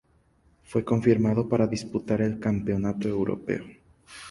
Fue confirmado para disputar el Campeonato Europeo.